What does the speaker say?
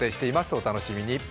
お楽しみに。